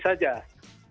sebenarnya ini saja